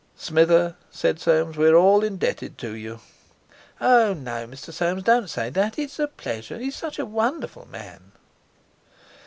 "Smither," said Soames, "we're all indebted to you." "Oh, no, Mr. Soames, don't say that! It's a pleasure—he's such a wonderful man."